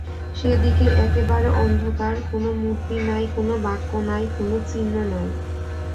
সে দিকে একেবারে অন্ধকার–কোনো মূর্তি নাই, কোনো বাক্য নাই, কোনো চিহ্ন নাই।